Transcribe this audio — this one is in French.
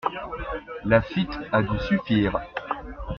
Laffitte a dû suffire.